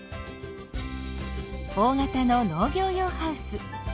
大型の農業用ハウス。